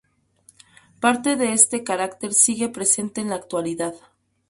Parte de este carácter sigue presente en la actualidad.